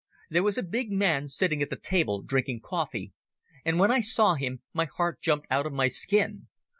"There was a big man sitting at a table drinking coffee, and when I saw him my heart jumped out of my skin.